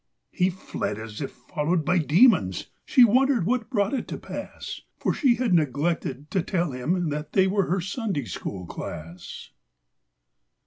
He fled as if followed by demons; she wondered what brought it to pass. For she had neglected to tell him that they were her Sunday school class.